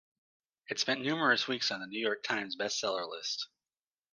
It spent numerous weeks on the New York Times Best Seller list.